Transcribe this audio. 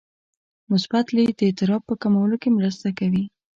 مثبت لید د اضطراب په کمولو کې مرسته کوي.